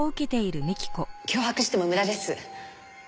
脅迫しても無駄です。